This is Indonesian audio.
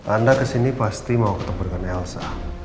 anda kesini pasti mau ketemu dengan elsa